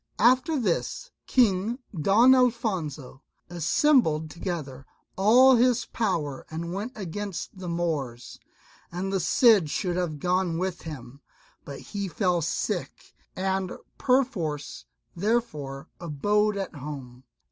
After this King Don Alfonso assembled together all his power and went against the Moors. And the Cid should have gone with him, but he fell sick and perforce therefore abode at home.